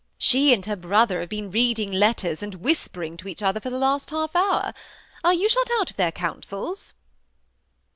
She and her brother have been reading letters, and whisper ing to each other for the last half hour. Are you shut out of their councils